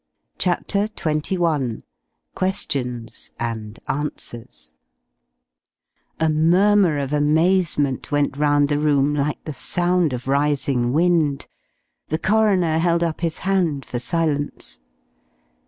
CHAPTER XXI QUESTIONS AND ANSWERS A murmur of amazement went round the room, like the sound of rising wind. The coroner held up his hand for silence.